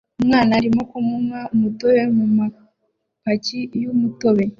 Umwana arimo kunywa umutobe mumapaki yumutobe